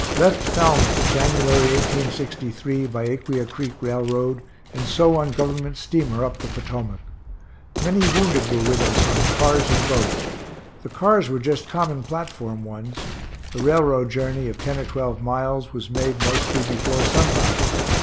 Left Falmouth, January, 1863, by Aquia creek railroad, and so on Government steamer up the Potomac. Many wounded were with us on cars and boat. The cars were just common platform ones. The railroad journey of ten or twelve miles was made mostly before sunrise.